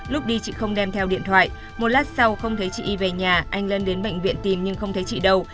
lúc đi chị không đem theo điện thoại một lát sau không thấy chị y về nhà anh lân đến bệnh viện tìm nhưng không thấy chị đâu